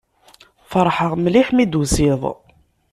Feṛḥeɣ mliḥ mi d-tusiḍ.